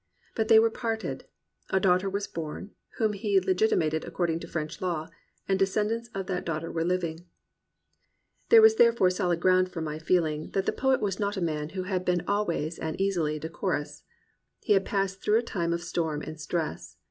But they were parted. A daughter was born, (whom he legiti mated according to French law,) and descendants of that daughter were Uving. There was therefore solid ground for my feeling 192 THE RECOVERY OF JOY that the poet was not a man who had been always and easily decorous. He had passed through a time of storm and stress.